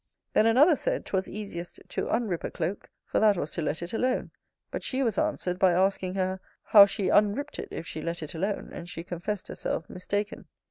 Then another said, 'twas easiest to unrip a cloak; for that was to let it alone: but she was answered, by asking her, how she unript it if she let it alone? and she confess herself mistaken.